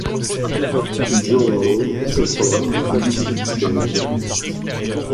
João Pessoa lui succède.